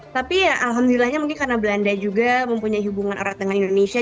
tapi ya alhamdulillahnya mungkin karena belanda juga mempunyai hubungan erat dengan indonesia